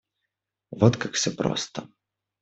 Вот как все просто.